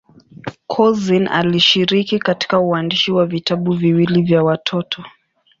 Couzyn alishiriki katika uandishi wa vitabu viwili vya watoto.